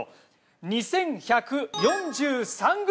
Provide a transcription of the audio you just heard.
２，１４３ｇ！